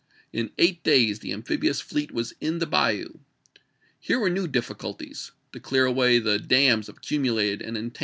In eight days the amphibious fleet was in the bayou. Here were new difficulties — to clear away the dams of accumulated and entangled drift wood.